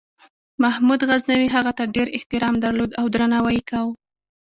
محمود غزنوي هغه ته ډېر احترام درلود او درناوی یې کاوه.